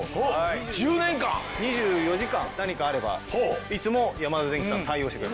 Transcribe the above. ２４時間何かあればいつでもヤマダデンキさん対応してくれます。